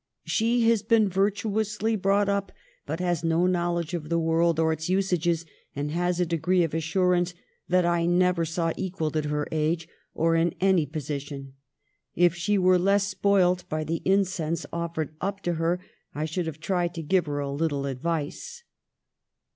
She has been virtuously brought up, but has no knowledge of the world or its usages ... and has a degree of assurance that I never saw equalled at her age, or in any posi tion. If she were less spoilt by the incense offered up to her, I should have tried to give her a little advice."